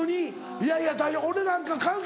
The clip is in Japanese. いやいや俺なんか関西